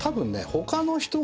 他の人が。